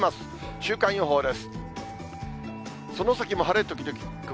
週間予報です。